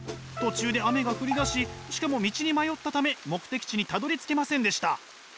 途中で雨が降りだししかも道に迷ったため目的地にたどりつけませんでした。